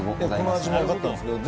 この味もうわかったんですけど